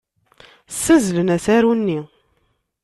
Ssazzlen asaru-nni.